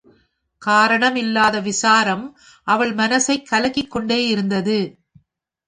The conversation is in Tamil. காரணம் இல்லாத விசாரம் அவள் மனசைக் கலக்கிக் கொண்டே இருந்தது.